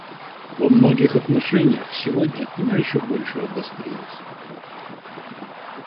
Во многих отношениях сегодня она еще больше обострилась.